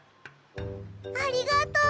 ありがとう！